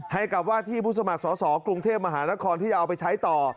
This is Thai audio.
ให้กับว่าที่ผู้สมัครสอสอกรุงเทพมหานครที่จะเอาไปใช้ต่อ